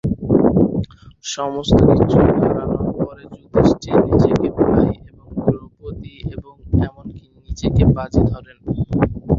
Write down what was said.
সমস্ত কিছু হারানোর পরে যুধিষ্ঠির নিজের ভাই এবং দ্রৌপদী এবং এমনকি নিজেকে বাজি ধরেন।